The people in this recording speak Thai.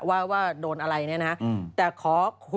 เพราะว่าตอนนี้ก็ไม่มีใครไปข่มครูฆ่า